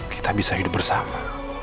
kita bisa hidup bersama